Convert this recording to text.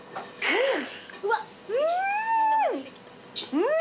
うん！